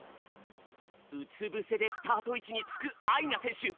うつぶせでスタートいちにつくあいなせんしゅ。